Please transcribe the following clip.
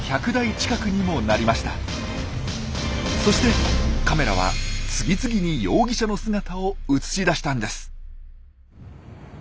そしてカメラは次々に容疑者の姿を映し出したんです。